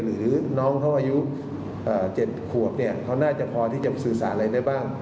หรือน้องเขาอายุ๗ขวบเขาน่าจะพอที่จะสื่อสารอะไรได้บ้าง